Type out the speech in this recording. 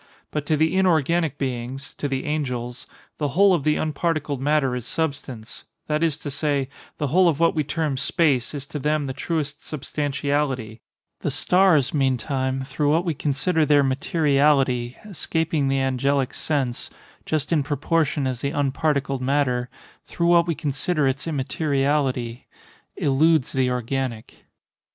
But to the inorganic beings—to the angels—the whole of the unparticled matter is substance—that is to say, the whole of what we term "space" is to them the truest substantiality;—the stars, meantime, through what we consider their materiality, escaping the angelic sense, just in proportion as the unparticled matter, through what we consider its immateriality, eludes the organic.